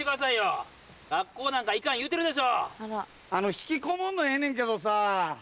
引きこもんのええねんけどさ。